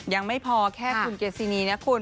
ยังไม่พอแค่คุณเกซินีนะคุณ